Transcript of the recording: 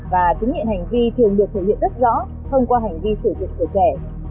và chứng nhận hành vi thường được thể hiện rất rõ thông qua hành vi sử dụng của trẻ